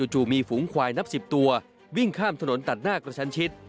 จู่มีฝูงควายนับ๑๐ตัววิ่งข้ามถนนตัดหน้ากระชันชิด